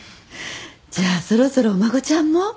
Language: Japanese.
じゃあそろそろお孫ちゃんも？